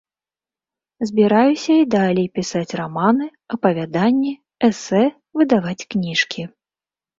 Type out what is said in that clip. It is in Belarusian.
Збіраюся і далей пісаць раманы, апавяданні, эсэ, выдаваць кніжкі.